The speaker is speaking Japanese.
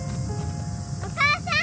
お母さん！